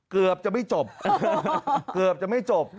เกือบจะไม่จบเกือบจะไม่จบ